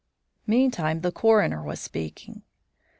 Meantime the coroner was speaking.